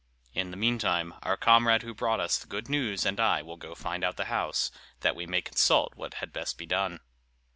In the meantime, our comrade who brought us the good news and I will go and find out the house, that we may consult what had best be done."